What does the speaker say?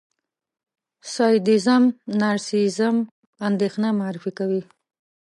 سادېزم، نارسېسېزم، اندېښنه معرفي کوي.